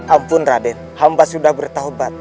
ampun raden hamba sudah bertaubat